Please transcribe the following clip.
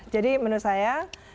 jadi menurut saya